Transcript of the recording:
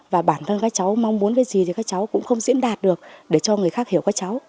và bản thân các cháu mong muốn cái gì thì các cháu cũng không diễn đạt được để cho người khác hiểu các cháu